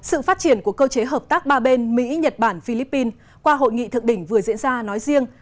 sự phát triển của cơ chế hợp tác ba bên mỹ nhật bản philippines qua hội nghị thượng đỉnh vừa diễn ra nói riêng